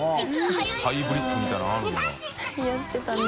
ハイブリッドみたいなのあるんだやってたな。